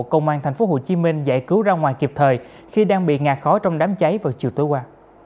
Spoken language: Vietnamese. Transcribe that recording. công an tp hcm giải cứu ra ngoài kịp thời khi đang bị ngạt khó trong đám cháy vào chiều tối qua